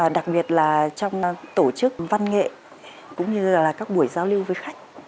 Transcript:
đặc biệt là trong tổ chức văn nghệ cũng như là các buổi giao lưu với khách